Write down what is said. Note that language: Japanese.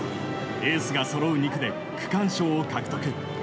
エースがそろう２区で区間賞を獲得。